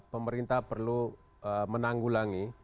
pemerintah perlu menanggulangi